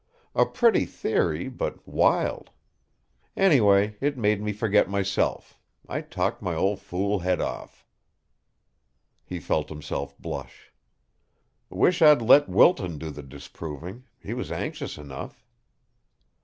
A pretty theory, but wild. Anyway, it made me forget myself; I talked my old fool head off." He felt himself blush. "Wish I'd let Wilton do the disproving; he was anxious enough."